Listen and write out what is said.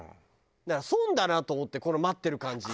だから損だなと思ってこの待ってる感じ。